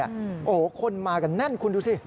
โอ้โหคนมากันแน่นคุณดูสิ